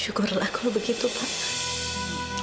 syukurlah kalau begitu pak